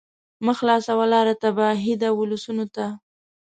مه خلاصوه لاره تباهۍ د ولسونو ته